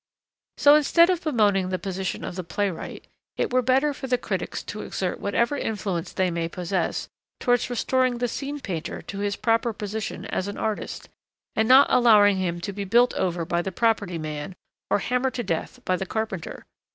So, instead of bemoaning the position of the playwright, it were better for the critics to exert whatever influence they may possess towards restoring the scene painter to his proper position as an artist, and not allowing him to be built over by the property man, or hammered to death by the carpenter.